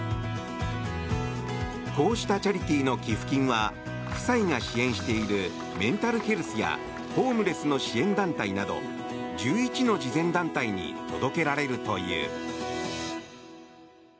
こうしたチャリティーの寄付金は夫妻が支援しているメンタルヘルスやホームレスの支援団体など１１の慈善団体に届けられるという。